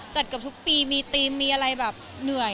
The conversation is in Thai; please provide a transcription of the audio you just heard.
จัดทุกปีมีหน้าวิธีทีม